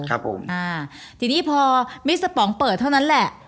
ทีนี้พอมิสเตอร์ปองเปิดเท่านั้นแหละ